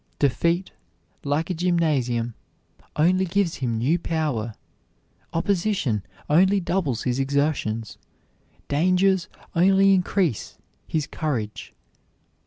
Defeat, like a gymnasium, only gives him new power; opposition only doubles his exertions; dangers only increase his courage.